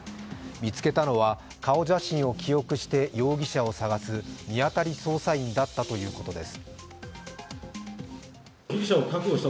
見つけたのは顔写真を記憶して容疑者を捜す見当たり捜査員だったということです。